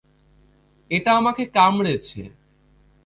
এটা আমাকে কামড়েছে!